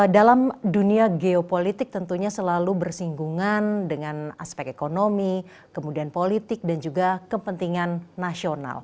dalam dunia geopolitik tentunya selalu bersinggungan dengan aspek ekonomi kemudian politik dan juga kepentingan nasional